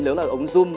nếu là ống zoom